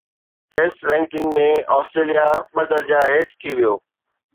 test ranking ۾ Australia ٻه درجا هيٺ ٿي ويو